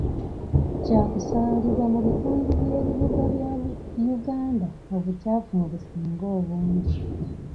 Kyakusaalirwa mu bitundu by'ebibuga bya Uganda obukyafu mwe businga obungi